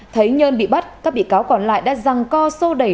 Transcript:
thấy nhân bị bắt các bị cáo còn lại đã răng co sâu đẩy